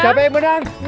siapa yang menang